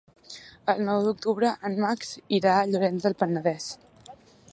El nou d'octubre en Max irà a Llorenç del Penedès.